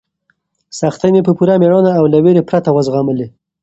سختۍ مې په پوره مېړانه او له وېرې پرته وزغملې.